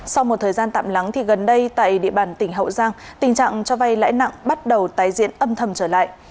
sau một thời gian tạm lắng thì gần đây tại địa bàn tỉnh hậu giang tình trạng cho vay lãi nặng bắt đầu tái diễn âm thầm trở lại